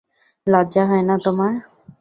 লজ্জা হয় না তোমার?